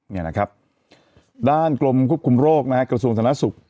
นี่นะครับด้านกลมควบคุมโรคนะฮะกระทรวงศาลนักศึกษ์